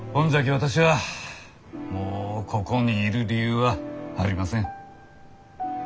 私はもうここにいる理由はありません。